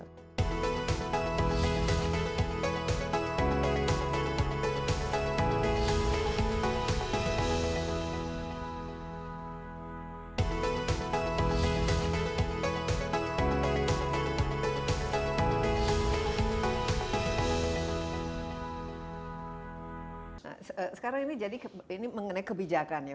nah sekarang ini jadi ini mengenai kebijakan ya